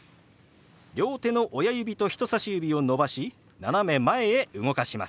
両手の親指と人さし指を伸ばし斜め前へ動かします。